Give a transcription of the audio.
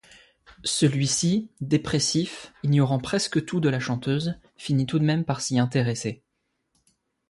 Celui-ci, dépressif, ignorant presque tout de la chanteuse, finit tout même par s'y intéresser.